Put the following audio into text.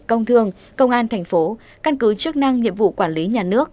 công thương công an thành phố căn cứ chức năng nhiệm vụ quản lý nhà nước